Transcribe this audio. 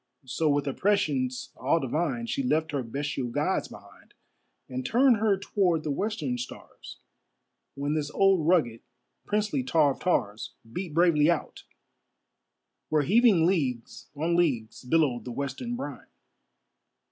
So with a prescience all divine, She left her bestial gods behind, And turned her toward the western stars, When this old rugged, princely tar of tars Beat bravely out, where heaving leagues on leagues Billowed the western brine.